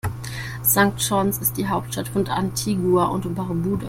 St. John’s ist die Hauptstadt von Antigua und Barbuda.